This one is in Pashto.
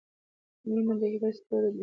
• مینه د زړۀ ستوری دی.